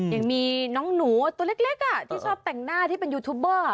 ยังมีน้องหนูตัวเล็กที่ชอบแต่งหน้าที่เป็นยูทูบเบอร์